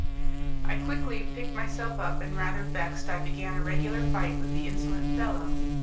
I quickly picked myself up, and rather vexed I began a regular fight with the insolent fellow.